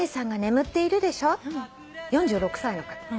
４６歳の方。